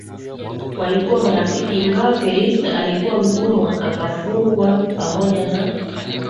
walikuwa marafiki ingawa Felista alikuwa mtumwa Akafungwa pamoja na